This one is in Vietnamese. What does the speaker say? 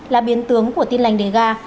là biến tướng của tin lành đề ga